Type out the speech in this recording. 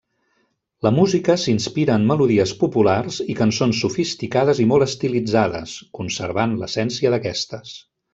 La música s'inspira en melodies populars i cançons sofisticades i molt estilitzades, conservant l'essència d'aquestes.